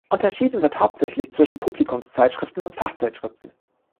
Unterschieden wird hauptsächlich zwischen "Publikumszeitschriften" und "Fachzeitschriften".